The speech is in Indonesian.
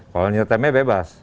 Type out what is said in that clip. kalau nyetemnya bebas